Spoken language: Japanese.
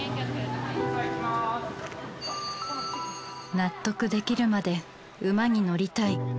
納得できるまで馬に乗りたい。